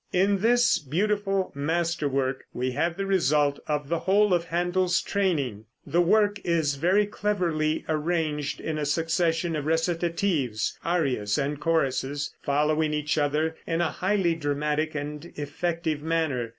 In this beautiful master work we have the result of the whole of Händel's training. The work is very cleverly arranged in a succession of recitatives, arias and choruses, following each other in a highly dramatic and effective manner.